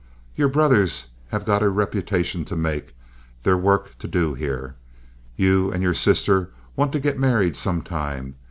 Your brothers have got a reputation to make, their work to do here. You and your sister want to get married sometime.